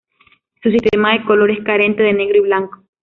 Su sistema de color es carente de negro y blanco.